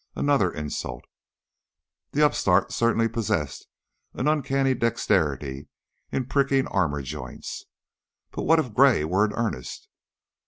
Another insult! The upstart certainly possessed an uncanny dexterity in pricking armor joints. But what if Gray were in earnest?